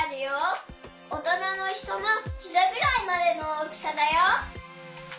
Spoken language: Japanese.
おとなのひとのひざぐらいまでの大きさだよ。